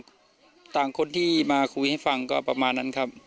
ก็ต่างคนที่มาคุยให้ฟังก็ประมาณนั้นครับ